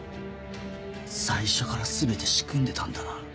最初から全て仕組んでたんだな。